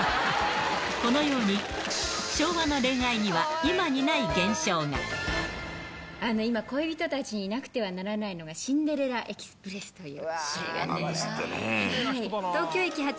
このように、今、恋人たちになくてはならないのが、シンデレラ・エクスプレスという。